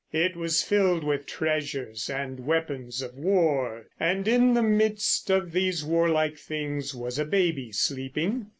It was filled with treasures and weapons of war; and in the midst of these warlike things was a baby sleeping.